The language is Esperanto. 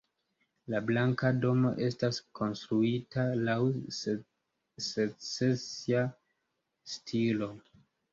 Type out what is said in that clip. La Blanka Domo estas konstruita laŭ secesia stilo.